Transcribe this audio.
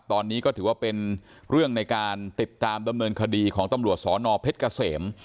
ตอนนี้ก็ถือว่าเป็นเรื่องในการติดตามดำเนินคดีของตำรวจสนเพชรเกษม